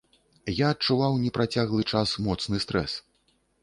Я адчуваў непрацяглы час моцны стрэс.